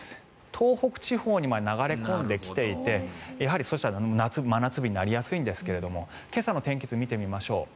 東北地方にまで流れ込んできていてやはり真夏日になりやすいんですが今朝の天気図を見てみましょう。